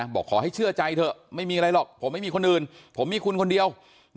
บอกขอให้เชื่อใจเถอะไม่มีอะไรหรอกผมไม่มีคนอื่นผมมีคุณคนเดียว